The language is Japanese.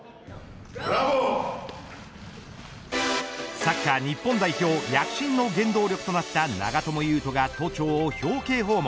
サッカー日本代表躍進の原動力となった長友佑都が、都庁を表敬訪問。